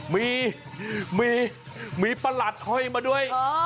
มีมีประหลัดห้อยมาด้วย